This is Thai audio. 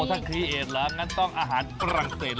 ถ้าทรีเอจละงั้นต้องอาหารฝรั่งเศสกับ